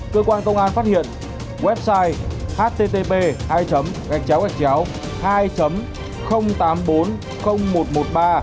cơ quan công an phát hiện website http hai tám trăm bốn mươi nghìn một trăm một mươi ba